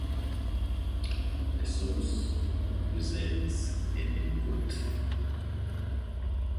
a source represents an input